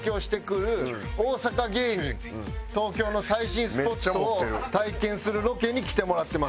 東京の最新スポットを体験するロケに来てもらってます。